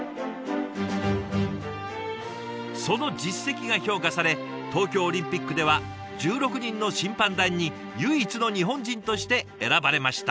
その実績が評価され東京オリンピックでは１６人の審判団に唯一の日本人として選ばれました。